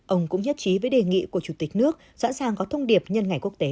ông cũng nhất trí với đề nghị của chủ tịch nước sẵn sàng có thông điệp nhân ngày quốc tế